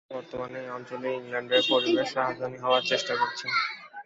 বর্তমানে এই অঞ্চল ইংল্যান্ডের পরিবেশ রাজধানী হওয়ার চেষ্টা করছে।